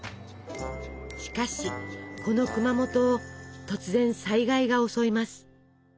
しかしこの熊本を突然災害が襲います。